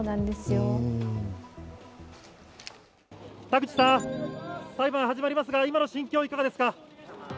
田口さん、裁判始まりますが今の心境、いかがですか。